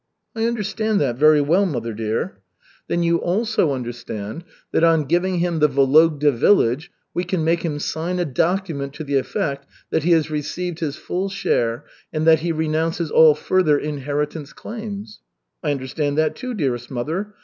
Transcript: "I understand that very well, mother dear." "Then you also understand that on giving him the Vologda village we can make him sign a document to the effect that he has received his full share and that he renounces all further inheritance claims." "I understand that too, dearest mother.